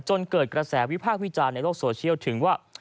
จนเกิดกระแสวิพากษ์วิจารณ์ในโลกโซเชียลถึงว่า